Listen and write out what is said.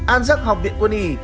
an rắc học viện quân y